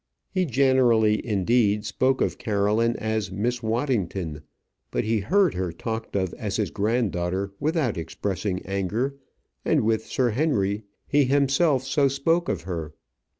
He generally, indeed, spoke of Caroline as Miss Waddington; but he heard her talked of as his granddaughter without expressing anger, and with Sir Henry he himself so spoke of her.